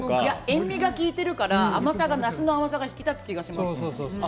塩味が効いてるから梨の甘さが引き立つ感じがします。